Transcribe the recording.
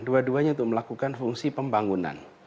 dua duanya untuk melakukan fungsi pembangunan